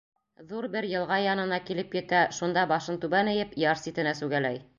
Ҙур бер йылға янына килеп етә, шунда башын түбән эйеп, яр ситенә сүгәләй.